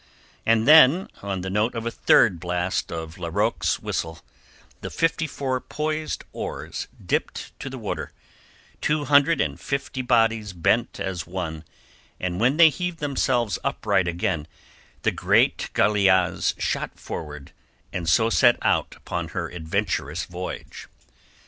And then, on the note of a third blast of Larocque's whistle, the fifty four poised oars dipped to the water, two hundred and fifty bodies bent as one, and when they heaved themselves upright again the great galeasse shot forward and so set out upon her adventurous voyage.